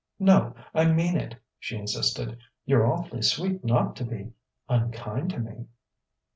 "No, I mean it," she insisted. "You're awf'ly sweet not to be unkind to me."